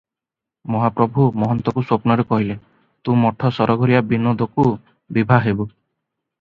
ମହାପ୍ରଭୁ ମହନ୍ତକୁ ସ୍ୱପ୍ନରେ କହିଲେ, 'ତୁ ମଠ ସରଘରିଆ ବିନୋଦକୁ ବିଭା ହେବୁ ।"